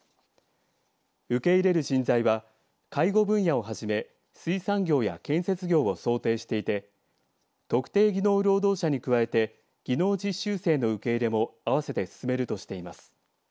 受け入れる人材は介護分野をはじめ水産業や建設業を想定していて特定技能労働者に加えて技能実習生の受け入れもあわせて進めるとしています。